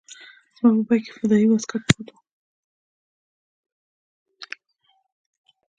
زما په بېګ کښې فدايي واسکټ پروت و.